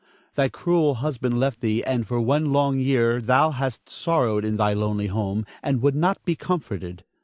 Thy cruel husband left thee and for one long year thou hast sorrowed in thy lonely home, and would not be comforted.